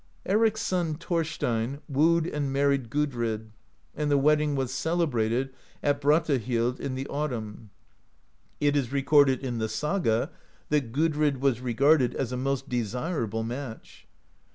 Eric's son, Thorstein, wooed and married Gudrid, and the wedding was celebrated at Brattahlid in the autumn. It is recorded in the saga that Gudrid was regarded as a most desirable match.